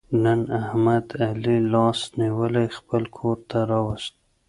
نن احمد علي لاس نیولی خپل کورته را وست.